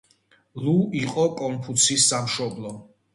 ლუ იყო კონფუცის სამშობლო.